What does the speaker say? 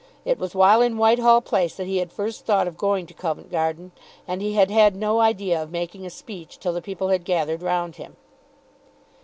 It was while in Whitehall Place that he had first thought of going to Covent Garden, and he had had no idea of making a speech till the people had gathered round him.